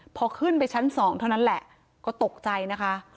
พอขึ้นไปชั้น๒เท่านั้นแหละก็ตกใจนะคะ